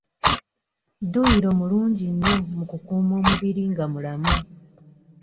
Dduyiro mulungi nnyo mu kukuuma omubiri nga mulamu.